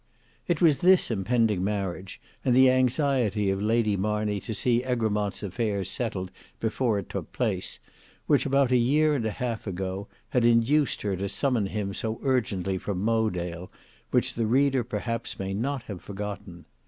It was this impending marriage, and the anxiety of Lady Marney to see Egremont's affairs settled before it took place, which about a year and a half ago had induced her to summon him so urgently from Mowedale, which the reader perhaps may have not forgotten.